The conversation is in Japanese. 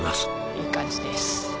いい感じです。